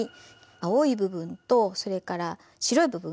青い部分とそれから白い部分。